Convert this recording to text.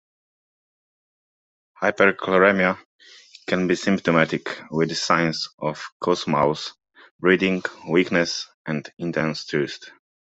Hyperchloremia can be symptomatic with signs of Kussmaul's breathing, weakness, and intense thirst.